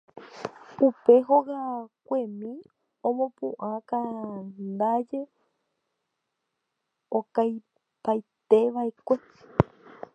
Upe hogakuemi omopu'ãukándaje okaipaitéva'ekue.